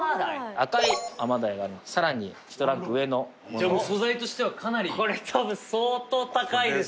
赤い甘鯛があるさらに１ランク上のじゃ素材としてはかなりこれ多分相当高いです